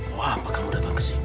wah apa kamu datang ke sini